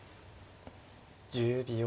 １０秒。